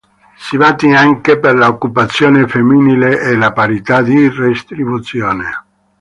Si batte anche per l'occupazione femminile e la parità di retribuzione.